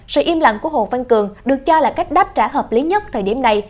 sự im lặng của hồ văn cường được cho là cách đáp trả hợp lý nhất thời điểm này